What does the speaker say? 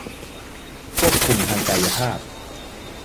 ควบคุมทางกายภาพ